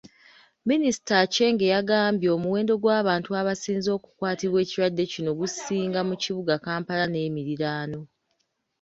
Minisita Aceng yagambye omuwendo gw’abantu abasinze okukwatibwa ekirwadde kino gusinga mu kibuga Kampala n’emiriraano.